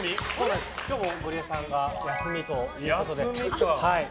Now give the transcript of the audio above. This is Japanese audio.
今日もゴリエさんが休みということで。